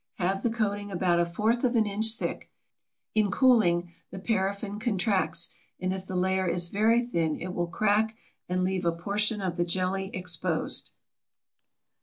Have the coating about a fourth of an inch thick. In cooling the paraffin contracts, and if the layer is very thin it will crack and leave a portion of the jelly exposed.